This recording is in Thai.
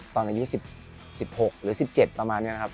ตอนอายุ๑๖หรือ๑๗ประมาณนี้นะครับ